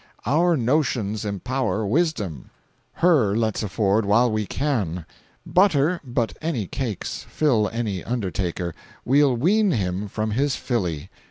Our notions empower wisdom, her let's afford while we can. Butter but any cakes, fill any undertaker, we'll wean him from his filly.